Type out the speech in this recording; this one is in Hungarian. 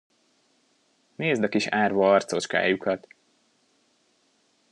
Nézd a kis árva arcocskájukat!